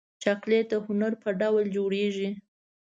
چاکلېټ د هنر په ډول جوړېږي.